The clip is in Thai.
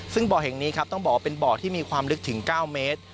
ซึ่งบ่อแห่งนี้ครับต้องบอกว่าเป็นบ่อที่มีความลึกถึง๙เมตร